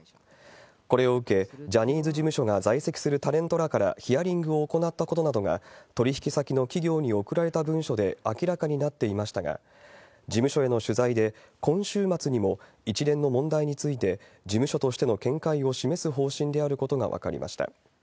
これを受け、ジャニーズ事務所が在籍するタレントらからヒアリングを行ったことなどが、取り引き先の企業に送られた文書で明らかになっていましたが、事務所への取材で、今週末にも一連の問題について、事務所としての見解を示す方針であることが分かりました。